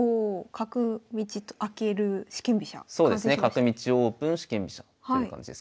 「角道オープン四間飛車」っていう感じですかね。